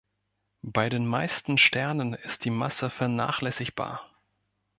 Bei den meisten Sternen ist die Masse vernachlässigbar.